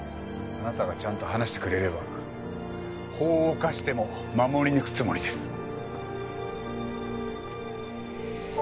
あなたがちゃんと話してくれれば法を犯しても護り抜くつもりです。